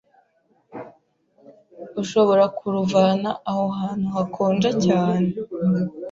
ushobora kuruvana aho hantu hakonja cyane